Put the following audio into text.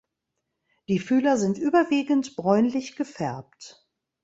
Die Fühler sind überwiegend bräunlich gefärbt.